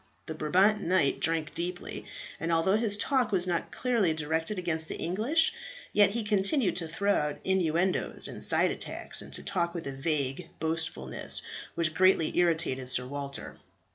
The Brabant knight drank deeply, and although his talk was not clearly directed against the English, yet he continued to throw out innuendoes and side attacks, and to talk with a vague boastfulness, which greatly irritated Sir Walter.